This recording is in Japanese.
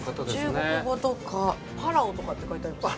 中国語とかパラオとかって書いてありますね。